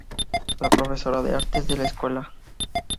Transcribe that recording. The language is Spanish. La profesora de Artes de la escuela.